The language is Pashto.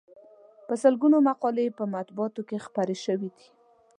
په سلګونو مقالې یې په مطبوعاتو کې خپرې شوې دي.